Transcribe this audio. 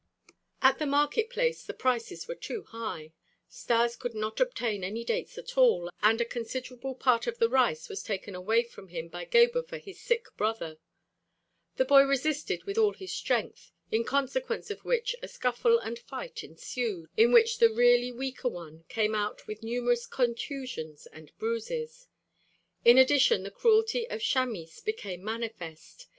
At the market place the prices were too high. Stas could not obtain any dates at all and a considerable part of the rice was taken away from him by Gebhr for "his sick brother." The boy resisted with all his strength, in consequence of which a scuffle and fight ensued, in which the really weaker one came out with numerous contusions and bruises. In addition the cruelty of Chamis became manifest.